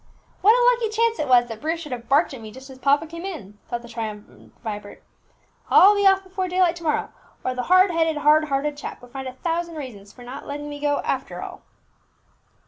"What a lucky chance it was that Bruce should have barked at me just as papa came in!" thought the triumphant Vibert. "I'll be off before daylight to morrow, or the hard headed, hard hearted chap would find a thousand reasons for not letting me go after all."